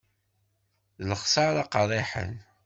D lexsara qerriḥen.